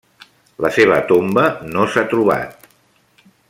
La seva tomba no s'ha trobat.